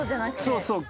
そうそう。